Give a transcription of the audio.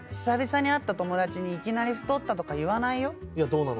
久々に会った友達にいきなり太ったとか言わないよ。